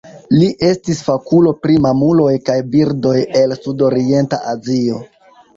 Li estis fakulo pri mamuloj kaj birdoj el Sudorienta Azio.